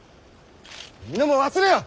皆も忘れよ！